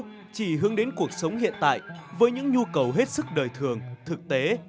đạo mẫu chỉ hướng đến cuộc sống hiện tại với những nhu cầu hết sức đời thường thực tế